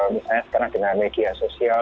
misalnya karena dengan media sosial